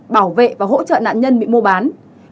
bảo vệ và hỗ trợ nạn nhân bị mua bán